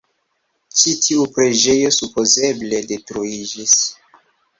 Ĉi tiu preĝejo supozeble detruiĝis.